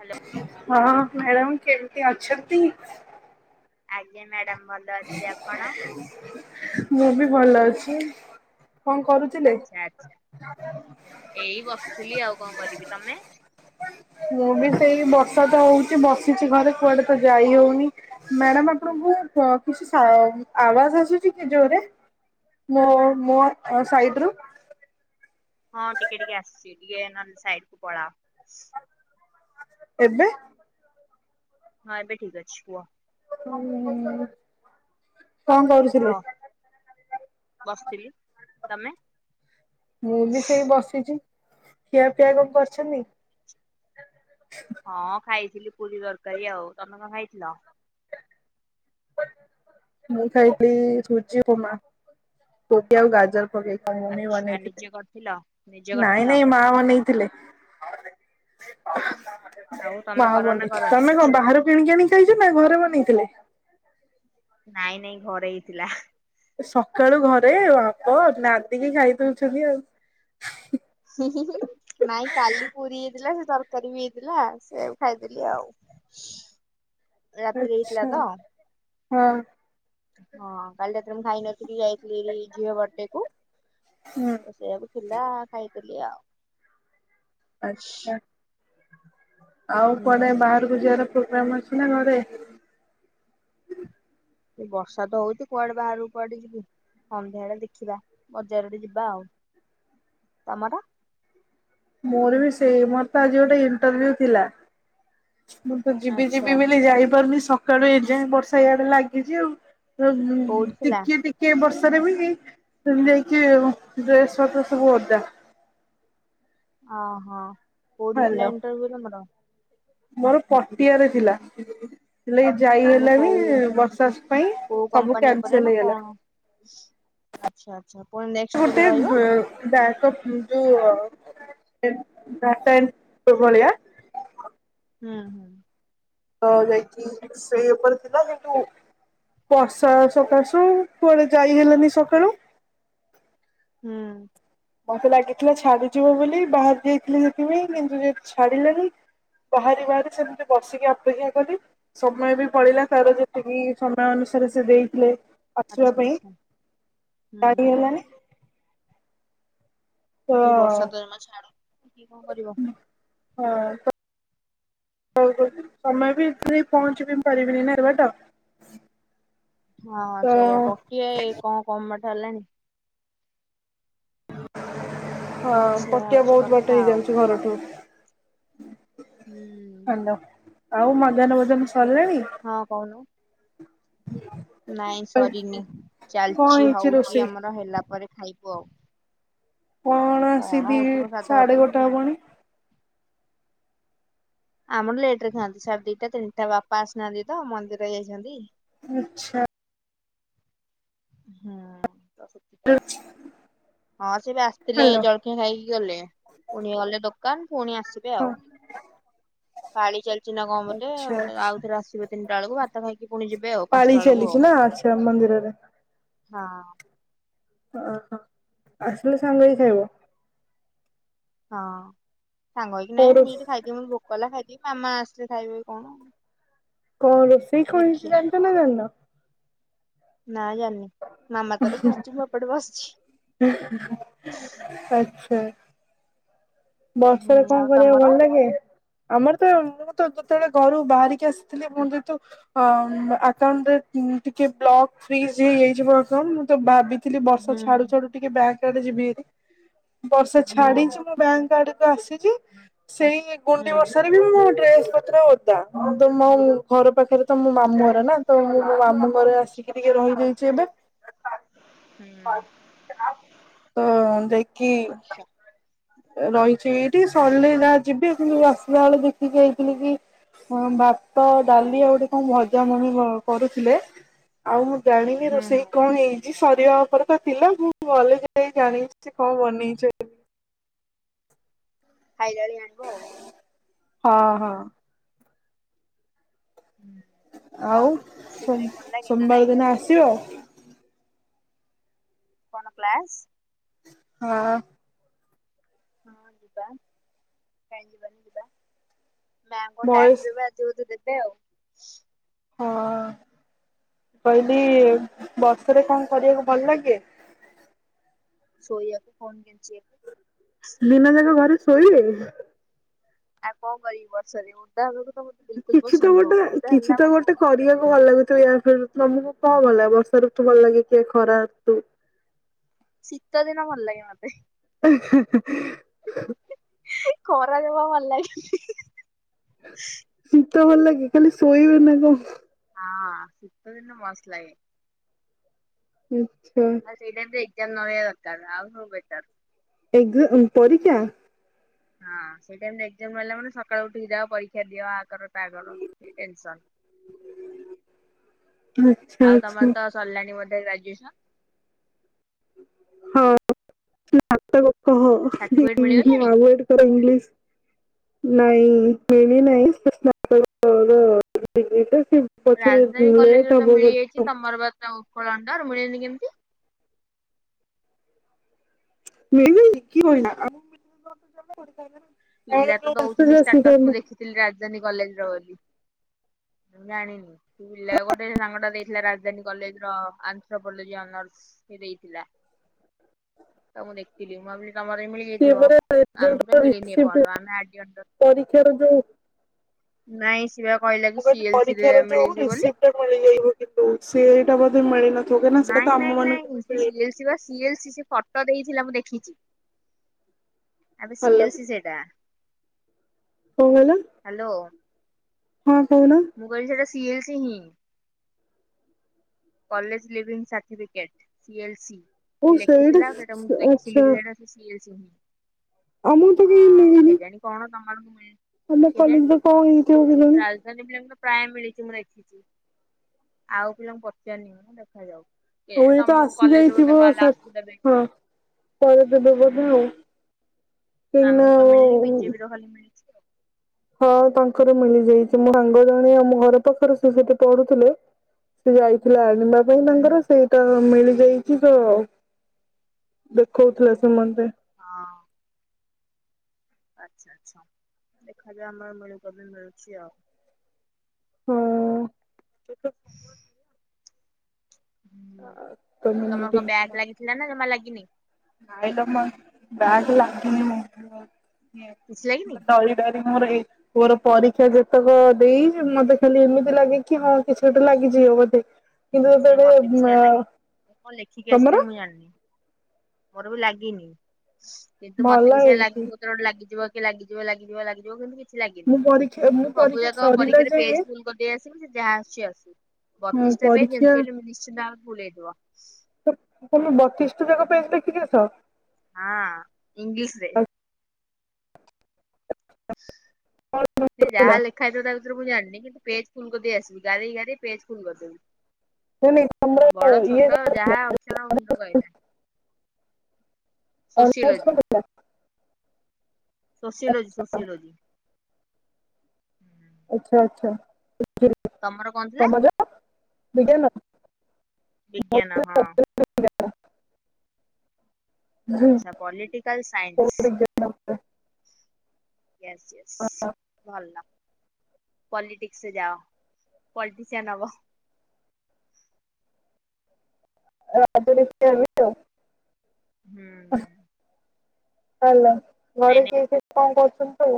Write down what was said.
Hello ହଁ madam କେମିତି ଅଛନ୍ତି? ଆଜ୍ଞା ମ୍ୟାଡାମ ଭଲ ଅଛି ଆପଣ? ମୁଁ ବି ଭଲ ଅଛି। କଣ କରୁଥିଲେ? ଆଚ୍ଛା ଆଚ୍ଛା ଏଇ ବସିଥିଲି ଆଉ କଣ କରିବି ତମେ? ହ ମୁଁ ବି ସେଇ ବର୍ଷା ତ ହଉଚି ବସିଛି ଘରେ କୁଆଡ଼େ ତ ଯାଇ ହଉନି ମ୍ୟାଡାମ ଆ ଆପଣଙ୍କୁ କିଛି ସା ଆବାଜ୍ ଆସୁଛି କି ଜୋରେ? [unintelligible] ମୋ ସାଇଡି଼ ରୁ? ହଁ ଟିକେ ଟିକେ ଆସିଛି ଟିକେ ନହେଲେ ସାଇଡି଼ କୁ ପଳାଅ। ଏବେ? ହଁ ଏବେ ଠିକ୍ ଅଛି କୁହ। କଣ କୁହ କରୁଥିଲେ? ବସିଥିଲି ତମେ? ମୁଁ ବି ସେଇ ବସିଚି ଖିଆପିଆ କଣ କରିଚନ୍ତି? ହଁ ଖାଇଥିଲି ପୁରୀ ତରକାରୀ ଆଉ ତମେ କଣ ଖାଇଥିଲ? ମୁଁ ଖାଇଲି ସୁଜି ଉପମା [unintelligible] ଆଉ ଗାଜର ପକେଇ। ମୁଁ ବି ଆଚ୍ଛା ବନେଇଥିଲି ନିଜେ କରିଥିଲ ନିଜେ ନାଇଁ କରିଥିଲ ନାଇଁ ମା ବନେଇଥିଲେ। ଆଉ [unintelligible] ତମେ ମା କର ନା ବନେଇଥିଲେ କରନି ତମେ କିଛି? କଣ ବାହାରୁ କିଣିକି ଆଣି ଖାଇଛ ନା ଘରେ ବନେଇଥିଲେ? ନାଇଁ ନାଇଁ ଘରେ ହେଇଥିଲା। ସକାଳୁ ଘରେ ବାପ ନାଦିକି ଖାଇ ଦଉଚନ୍ତି ଆଉ। [unintelligible] ନାଇଁ କାଲି ପୁରୀ ହେଇଥିଲା ସେ ତରକାରୀ ବି ହେଇଥିଲା ସେଇଆ କୁ ଖାଇଦେଲିି ଆଉ଼ ରାତିରେ ଆଚ୍ଛା ହେଇଥିଲା ତ? ହଁ। ହଁ କଲି ରାତିରେ ମୁଁ ଖାଇନ ଫି ଯାଇଥିଲି ଝିଅ ବର୍ଥଡେ କୁ ହୁଁ ତ ସେଆକୁ ଥିଲା ଖାଇଥିଲି ଆଉ। ଆଛା। ଆଉ ହୁଁ। କୁଆଡେ ବାହାରକୁ ଯିବାର ପ୍ରୋଗ୍ରାମ ଅଛି ନା ଘରେ? ସେ ବର୍ଷା ତ ହଉଚି କୁଆଡେ ବାହାରକୁ କୁଆଡେ ଯିବି। ସନ୍ଧ୍ୟା ବେଳେ ଦେଖିବା, ବଜାର ଆଡେ ଯିବା ଆଉ, ତମର? ମୋର ବି ସେଇ ମୋର ତ ଆଜି ଗୋଟେ ଇଣ୍ଟରଭ୍ୟୁ ଥିଲା। ମୁଁ ତ ଯିବି ଆଚ୍ଛା। ଯିବି ବୋଲି ଯାଇପାରୁନି ସକାଳୁ ଏ ଯାଏ ବର୍ଷା ଇଆଡେ ଲାଗିଛି ଆଉ। କୋଉଠି [unintelligible] ଥିଲା ଟିକେ ଟିକେ ବର୍ଷ ରେ ବି ନେଇକି ଡ୍ରେସ ପତ୍ର ସବୁ ଓଦା ଓ ହୋ କୋଉଠି ହ୍ୟାଲୋ ଥିଲା ଇଣ୍ଟରଭ୍ୟୁ ତମର? ମୋର ପଟିଆରେ ଥିଲା। ହେଲେ ଯାଇ ମାନେ ହେଲାନି କୋଉ ବର୍ଷାସ ପାଇଁ କୋଉ ସବୁ କମ୍ପାନୀ ଉପରେ ନା କ୍ୟାନସଲ କଣ? ହେଇଗଲା। ଆଚ୍ଛା। ଆଚ୍ଛା ପୁଣି ନେକ୍ସଟ କେବେ ଗୋଟେ ଉ ରହିବ? ବ୍ୟାକଅପ୍ ଯୋଉ [unintelligible] ଭଳିଆ। ହୁଁ ହୁଁ। ତ ଯାଇକି ସେଇ ଉପରେ ଥିଲା ସେଠୁ ବର୍ଷା ସକାଶୁ କୁଆଡେ ଯାଇ ହେଲାନି ସକାଳୁ। ହୁଁ। ମତେ ଲାଗିଥିଲା ଛାଡିଯିବ ବୋଲି ବାହାରି ଯାଇଥିଲି ସେଥିପାଇଁ କିନ୍ତୁ ସେ ଛାଡିଲାନି। ବାହାରି ବାହାରି ସେମିତି ବସିକି ଅପେକ୍ଷା କଲି ସମୟ ବି ପଳେଇଲା ତାର ଯେତିକି ସମୟ ଅନୁ ସେଠି ସେ ଦେଇଥିଲେ ଆସିବା ଆଚ୍ଛା ପାଇଁ ଆଚ୍ଛା ହୁଁ କାଢ଼ି ହେଲାନି। ତ ଏ ବର୍ଷା ତ ଜମା ଛାଡୁନି କିଏ କଣ କରିବ? ହଁ ହଉ ତମେ ବି ଏ ପହଞ୍ଚ ବି ପାରିବିନି ନା ଏତେ ବାଟ। ହଁ ତ ସେଇଆ ପକିଆ ଏ କଣ କମ ବାଟ ହେଲାଣି? ହଁ ସେଇଆ ପଟିଆ ହଉଛି ବହୁତ କଥା ବାଟ ଆଉ ହେଇଯାଉଛି ଘରଠୁ। ହୁଁ। ହାଲୋ ଆଉ ମଧ୍ୟାହ୍ନ ଭୋଜନ ସରିଲାଣି? ହଁ କହୁନୁ। ନାଇଁ ସରିନି କଣ ଚାଲିଛି ହେଇଛି ହଉଚି ରୋଷେଇ? ଆମର ହେଲା ପରେ ଖାଇବୁ ଆଉ। କଣ ଆସିବି ହଉଥିବ ସାଧା ସାଢେ ଉପରେ ମୁଁ ଗୋଟେ ଜାଣିନି। ହବଣି। ଆମର ଲେଟ ରେ ଖାଆନ୍ତି, ସାଢ଼େ ଦିଟା ତିନିଟା ବାପା ଆସିନାହାନ୍ତି ତ ମନ୍ଦିର ଯାଇଛନ୍ତି। ଆଛା। ହୁଁ [unintelligible] ହଁ ସେ ବି ଆସିଥିଲେ ହାଲୋ ଜଳଖିଆ ଖାଇକି ଗଲେ। ପୁଣି ଗଲେ ଦୋକାନ ପୁଣି ଆସିବେ ହଁ। ଆଉ। ପାଳି ଚାଲିଚି ନା କଣ ବୋଧେ ଆଚ୍ଛା ଆଉ ଆଚ୍ଛା ଥରେ ଆସିବେ ତିନିଟା ବେଳକୁ ଭାତ ଖାଇକି ପୁଣି ଯିବେ ଆଉ ପାଞ୍ଚଟା ବେଳକୁ ଆଉ। ଆଛା ମନ୍ଦିରରେ? ହଁ। ଓହୋ ଆସିଲେ ସାଙ୍ଗହେଇକି ଖାଇବ? ହଁ ସାଙ୍ଗହେଇକି କୋଉ ନାଇଁ ମୁଁ ରୋଷେ ଏଇଠି ଖାଇଦିଏ ମ ଭୋକ ହେଲା ଖାଇ ମାମା ଆସିଲେ ଖାଇବେ କି କଣ? କଣ ରୋଷେଇ କଣ ଦେଖିଆ। ହେଇଚି ଜାଣିଛ ନା ଜାଣିନ? ନା ଜାଣିନି। ମାମା ତାର କରୁଛି ମୁଁ ଏପଟେ ବସିଛି [unintelligible] ଆଚ୍ଛା। ହୁଁ ବର୍ଷାରେ କଣ ଆଉ କରିବାକୁ ତମର? ଭଲ ଲାଗେ? ଆମର ତ ମୁଁ ତ ଯେତେବେଳେ ଘରୁ ବାହାରିକି ଆସିଥିଲି ମୁଁ ଯେହେତୁ ଅ ଆକାଉଣ୍ଟରେ ଟିକେ ବ୍ଲକ ଫ୍ରିଜ ହେଇଯାଇଛି ମୋ ଆକାଉଣ୍ଟ ମୁଁ ତ ଭାବିି ଥିଲି ବର୍ଷା ହୁଁ ଛାଡୁ ଛାଡୁ ଟିକେ ବ୍ୟାଙ୍କ୍ ଆଡେ ଯିବି ହେରି ବର୍ଷା ହୁଁ ଛାଡିଛି ମୁ ବ୍ୟାଙ୍କ୍ ଆଡକୁ ଆସିଛି ସେଇ ହୁଁ ଗୁଣ୍ଡି ବର୍ଷାରେ ବି ମୁଁ ଡ୍ରେସ୍ ପତ୍ର ଓଦା ତ ମ ଘର ପାଖରେ ତ ମୋ ମାମୁଁ ଘର ନା ତ ମୁଁ ମୋ ମାମୁଁଘରେ ଆଚ୍ଛା ଆସିକି ଆଚ୍ଛା ଟିକେ ରହିଯାଇଛି ଏବେ ହୁଁ [unintelligible] ତ-ଅ-ଅ ଯାଇକି ରହିଛି ଏଇଠି ସରିଲେ ଯା ଯିବି କିନ୍ତୁ ଆସିଲା ବେଳେ ଦେଖିକି ଆଇଥିଲି କି ହଁ ଭାତ, ଡାଲି ଆଉ ଗୋଟେ କଣ ଭଜା ମମି କରୁଥିଲେ ଆଉ ଜାଣିନି ହୁଁ ରୋଷେଇ ହୁଁ କଣ ହେଇ ଆ ସରିବା ଉପରେ ତ ଥିଲା ମୁଁ ଗଲେ ଯାଇ ଜାଣିବି ସେ କଣ ବନେଇଛ ଖାଇଲାଣି ଆଗ। ହଁ ହଁ। ହୁଁ। ଆଉ ତମକୁ ରୋଷେଇ ସୋମ୍ କରିବାକୁ ଭଲ ଲାଗେ ନା ନାଇଁ ସୋମବାର ଦିନ ଆସିବ? କଣ କ୍ଳାସ୍? ହଁ। ହଁ ଯିବା କାଇ ଯିବାନି ଯିବା। ମ୍ୟାମ୍ କଣ ଭଏସ୍ ଟ୍ୟାକ୍ସ ଦେବେ ଆଜି ବୋଧେ ଦେବେ ଆଉ। ହଁ-ଅ-ଅ-ଅ ପହିଲି-ଇ-ଇ-ଇ ବର୍ଷ ତତେ କଣ କରିବାକୁ ଭଲ ଲାଗେ? ସୋଇଆକୁ କଣ ଦି ଯେ ଦୀନ ଯାକ ଘରେ ଶୋଇବେ ଆ କଣ କରିବି ବର୍ଷାରେ ଥଣ୍ଡା ହେବାକୁ ତ ମତେ ବିଲକୁଲ କିଛି ତ ପସନ୍ଦ ନୁହଁ ଗୋଟେ ଓଦା କିଛି ହେଲା ତ ମାନେ ମୋ ଗୋଟେ ମୁଣ୍ଡ ଖରାପ କରିବାକୁ ହେଇଯିବ ଭଲ ଲାଗୁଥିବ [unintelligible] ତମକୁ କଣ ଭଲ ଲାଗିବ? ବର୍ଷା ଋତୁ ଭଲ ଲାଗେ କି ଖରା ଋତୁ? ଶୀତ ଦିନ ଭଲ ଲାଗେ ମୋତେ। ହିଁ ହିଁ ହିଁ ହିଁ ହେ ଖରା ଯମା ଭଲ ଲାଗେନି ହିଁ ହିଁ। ଶୀତ ଭଲ ଲାଗେ ଖାଲି ଶୋଇବେ ନା କଣ? ହଁ ଶୀତଦିନ ମସ୍ତ ଲାଗେ। ହୁଁ। ଆଉ ସେଇ ଟାଇମରେ ଏକ୍ଜାମ ନ ରହିବା ଦରକାର ଆଉ ସବୁ ବେକାର। ଏଗ ଉ ପରୀକ୍ଷା। ହଁ। ସେଇ ଟାଇମ୍ ରେ ଏକ୍ଜାମ ରହିଲା ମାନେ ସକାଳୁ ଉଠିକି ଯାଅ ପରୀକ୍ଷା ଦିଅ ଆ କର ତା କର ଏ ଟେନସନ୍। [unintelligible] ରାଜ୍ୟୁସନ୍ ହଁ। [inaudible] ହଁ ହଁ ହ [unintelligible] ସାର୍ଟିଫିକେଟ ମୁଁ ମିଳିଗଲାଣି ଆଭଏଡ କରେ ଇଂଲିଶ ନାଇଁ ମିଳୁ ନାହିଁ [inaudible] ପଛେ ରାଜଧାନୀ ଲେଟ୍ କଲେଜରେ ହବ ତ ବୋଧେ ମିଳିଯାଇଛି ତମରବା ତ ଉପର ଅଂଡର ମିଳିନି କେମିତି? ମିଳିନି କିଏ ବୋଲିଲା ପିଲା ତ ଦଉଛନ୍ତି ଷ୍ଟାଟସ୍ ମୁଁ ଦେଖିଥିଲି ରାଜଧାନୀ କଲେଜର ବୋଲି। ମୁଁ ଜାଣିନି ତୁ ପିଲା ଗୋଟେ ସାଙ୍ଗଟା ଦେଇଥିଲା ରାଜଧାନୀ କଲେଜର ଆଁଥରପଲୋଜି ଅନର୍ସ। ସ ସ୍ ସେ ଦେଇଥିଲା। ତ ମୁଁ ଦେଖିଥିଲି ମୁଁ ଭାବିଲି ତମର ମିଳିଯାଇଥିବ ଆମକୁ ତ ମିଳିନି ଏପ କିନ୍ତୁ ପରୀକ୍ଷା ରେ ଯୋଉ ନାଇଁ ସିଏ ବା କହିଲା କି ମୁଁ କହିଲି ସିଏଲ ସି ରେ ପରୀକ୍ଷାର ଯୋଉ ମିଳିଛି ବୋଲି। ରିସିପ୍ଟ ମିଳିଯାଇବ କିନ୍ତୁ ସିଏ ମୋତେ ମିଳିନ ନାଇଁ ନାଇଁ ନାଇଁ ସେ ସି ଏଲ୍ ସି ପା ସି ଏଲ୍ ସି ସେ ଫଟୋ ଦେଇଥିଲା ମୁଁ ଦେଖିଚି ଏବେ ସି ହାଲୋ ଏଲ୍ ସି ସେଇଟା। କଣ କହିଲ ହାଲୋ? ହଁ କୋହୁନ। ସି ଏଲ୍ ସି ହିଁ। College leaving certificate C L C. ଓ ସିଏ ସେଇଟା ଲେଖିଥିଲା ଆଉ ସେଟା ମୁଁ ଦେଖିଲି ବି ସେଟା ସେଇ ସିଏ ଏଲ୍ ସି ହିଁ। ଆମର ତ କାଇଁ ଲାଗେନା? ତମର ହୁଏ ଆମ କଲେଜରେ କଣ ହେଇଥିବ କେଜାଣି? ପ୍ରାୟେ ମିଳିଚି ମୁଁ ଦେଖିଚି ଆଉ ପିଲାଙ୍କୁ ପଚାରନି ମୁଁ ଦେଖାଯାଉ। ଆଉ କେଜାଣି ଇଏ ତ ତମକୁ ଆସି କଲେଜରୁ ବୋଧେ ଯାଇଥିବ ଗଲେ ଆସିଦେବେ କି ସା-ହଁ କଣ? ପରଦିନ ବୋଧେ ଆଉ। କାହିଁକି ଆମକୁ ତ ମିଳନି ବି ଜେ ନା ବିର ଖାଲି ମିଳିଚି। ହଁ ତାଙ୍କର ମିଳି ଯାଇଚି ମୋ ସାଙ୍ଗ ଜାଣେ ଆମ ଘର ପାଖରେ ସେ ସେଠି ପଢୁଥୁଲେ ସିଏ ଯାଇଥିଲା ଆଣିବା ପାଇଁ ହୁଁ। ତାଙ୍କର ସେଇଟା ମିଳି ଯାଇଛି ତ ଦେଖୋଉଥୁଲା ସେ ମତେ। ହଁ। ଆଚ୍ଛା ଆଚ୍ଛା ଦେଖାଯାଉ ଆମର ମିଳୁ-କେବେ ମିଳୁଛି ଆଉ। ହଁ। [inaudible] ହୁଁ ତମର କଣ ବ୍ୟାଗ୍ ଲାଗିଥିଲା ନା ଜମା ଲାଗିନି? ନାଇଲୋ ମୋ ବ୍ୟାଗ ଲାଗିନି ମୁଁ ମୋ ଏଇ କିଛି ଲାଗିନି? ମୁଁ ତ ଡରି ଡରି ମୋର ଏ ମୋର ପରୀକ୍ଷା ଯେତକ ଦେଇଚି ମତେ ଏମିତି ଲାଗେ କି ହଁ କିଛି ଗୋଟେ ଲାଗିଛି। ଗିବ ବୋଧେ କିନ୍ତୁ ସେୟା ମତେ ବି ଯେତେବେଳେ ସେଇୟା ଲାଗେ ମୁଁ କଣ ଲେଖିକି ତମର ଆସିଥାଏ ମୁଁ ଜାଣିନି। ମୋର ବି ଲାଗିନି କିନ୍ତୁ ମତେ ବି ଭଲ ସେୟା ଲାଗେ ହେଇଛି କୋଉଥିରେ ଗୋଟେ ଲାଗିଯିବ କି? ଲାଗିଯିବ ଲାଗିଯିବ ଲାଗିଯିବ କିନ୍ତୁ କିଛି ଲାଗିନି। ମୁଁ ପରୀକ୍ଷା ମୁଁ ସବୁ ପରୀକ୍ଷା ଯାକ ସରିଲା ପରୀକ୍ଷାରେ ପେଜେ ଯାଏ ଫୁଲ କରିଦେଇ ଆସିବି ସେ ଯାହା ଆସୁଚି ଆସୁ ହଁ ବତିଶଟା ପେଜ ଯେମ ପରୀକ୍ଷା ମତି ହେଲେ ମୁଁ ନିଶ୍ଚିତ ଭାବରେ ଫୁଲ ହେଇଥିବ। ଟା ଜାକ ପେଜ ଲେଖିକି ଆସ? ହଁ ଇଂଲିଶରେ। ସେ ନାଇଁ ଯାହା ଲେଖା ହେଇଥିବ ତା ଭିତୁରୁ ମୁଁ ଜାଣନି କିନ୍ତୁ ପେଜ୍ ଫୁଲ କରି ଆସି ଗାରେଇ ଗାରେଇ ପେଜ୍ ଫୁଲ୍ କରିଦେବି। ନାଇଁ ତମର ବଡ ଇଏ ଛୋଟ କଣ ଥିଲା ଯାହା ଅକ୍ଷର ମୁଣ୍ଡକୁ ଆଇଲା। ଅନର୍ସ ସୋସିଓଲୋଜି କଣଟା ଥିଲା? ସୋସିଓଲୋଜି ଆଚ୍ଛା ସୋସିଓଲୋଜି। ଆଚ୍ଛା ଆଚ୍ଛା। ତମର କଣ ଥିଲା? ବିଗନ ବିଜ୍ଞାନ ହଁ। ଆଚ୍ଛା ପଲିଟିକାଲ୍ ସାଇନସ୍। ୟେସ୍ ୟେସ୍ ଭଲ। ପଲିଟିକ୍ସରେ ଯାଅ ପଲଟିସିଆନ୍ ହବ। ଆଜି [unintelligible] ହୁଁ। ହାଲୋ ଘରେ କିଏ କିଏ କଣ କରୁଚନ୍ତି ସବୁ?